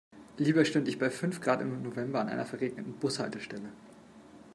Lieber stünde ich bei fünf Grad im November an einer verregneten Bushaltestelle.